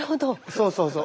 そうそうそう。